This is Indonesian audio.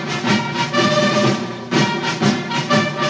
laporan komandan upacara